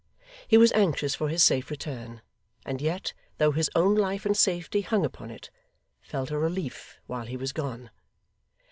He was anxious for his safe return, and yet, though his own life and safety hung upon it, felt a relief while he was gone.